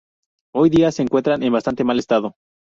Hoy día se encuentran en bastante mal estado.